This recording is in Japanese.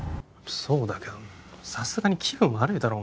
そうだけどさすがに気分悪いだろ